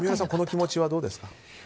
この気持ちはどうですか？